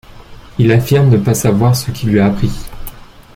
Il affirme ne pas savoir ce qui lui a pris.